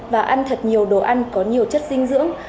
và ăn thật nhiều đồ ăn có nhiều chất dinh dưỡng